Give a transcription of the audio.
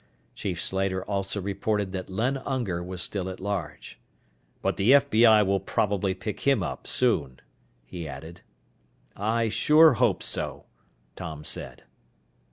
Chief Slater also reported that Len Unger was still at large. "But the FBI will probably pick him up soon," he added. "I sure hope so," Tom said.